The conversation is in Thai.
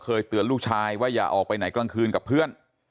เตือนลูกชายว่าอย่าออกไปไหนกลางคืนกับเพื่อน